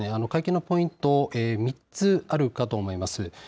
会見のポイント３つあるかと思います。